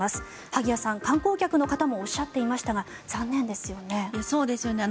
萩谷さん、観光客の方もおっしゃっていましたが残念ですよね。